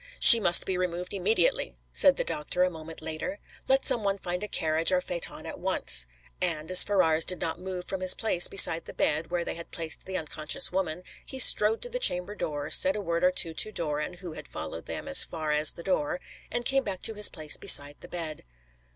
"She must be removed immediately," said the doctor a moment after. "Let some one find a carriage or phæton at once." Then, as Ferrars did not move from his place beside the bed where they had placed the unconscious woman, he strode to the chamber door, said a word or two to Doran, who had followed them as far as the door, and came back to his place beside the bed.